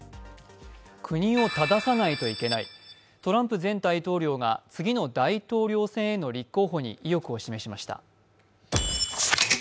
国をたださないといけない、トランプ前大統領が次の大統領選への立候補に意欲を示しました。